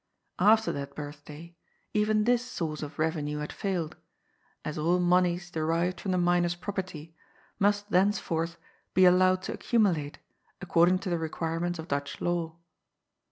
After that birthday even this source of revenue had failed, as all moneys derived from the minor's property must thenceforth be allowed to accumulate, according to the requirements of Dutch law.